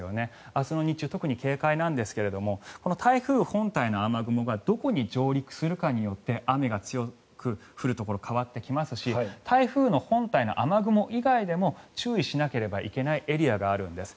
明日の日中、特に警戒なんですがこの台風本体の雨雲がどこに上陸するかによって雨が強く降るところ変わってきますし台風の本体の雨雲以外でも注意しなければいけないエリアがあるんです。